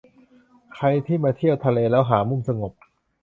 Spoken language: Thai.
ใครที่มาเที่ยวทะเลแล้วหามุมสงบ